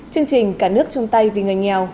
chương trình cả nước chung tay vì người nghèo